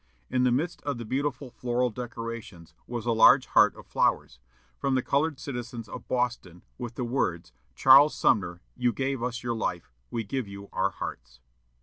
In the midst of the beautiful floral decorations was a large heart of flowers, from the colored citizens of Boston, with the words, "Charles Sumner, you gave us your life; we give you our hearts."